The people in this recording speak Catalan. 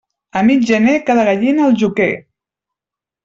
A mig gener, cada gallina al joquer.